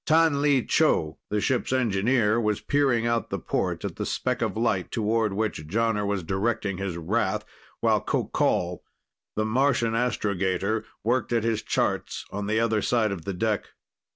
T'an Li Cho, the ship's engineer, was peering out the port at the speck of light toward which Jonner was directing his wrath, while Qoqol, the Martian astrogator, worked at his charts on the other side of the deck.